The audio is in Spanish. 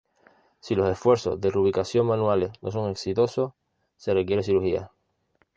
Si los esfuerzos de reubicación manuales no son exitosos, se requiere cirugía.